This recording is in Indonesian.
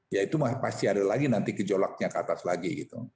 ya itu pasti ada lagi nanti gejolaknya ke atas lagi